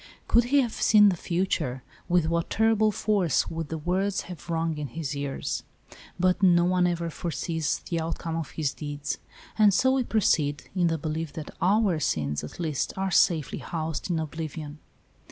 Could he have seen the future, with what terrible force would the words have rung in his ears. But no one ever foresees the outcome of his deeds; and so we proceed, in the belief that our sins, at least, are safely housed in oblivion.